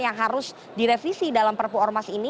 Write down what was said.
yang harus direvisi dalam perpu ormas ini